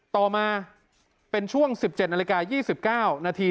ต่อมาเป็นช่วง๑๗นาฬิกา๒๙นาที